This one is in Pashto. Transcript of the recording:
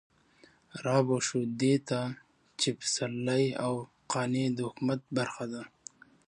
رابه شو دې ته چې پسرلي او قانع د حکومت برخه ده.